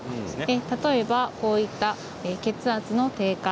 例えばこういった血圧の低下